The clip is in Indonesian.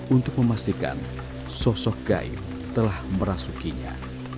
untuk memastikan sosok gaib telah merasukinya